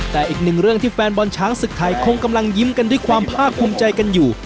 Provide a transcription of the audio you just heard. แต่อีกหนึ่งเรื่องที่แฟนบอลช้างศึกไทยคงกำลังยิ้มกันด้วยความภาคภูมิใจกันอยู่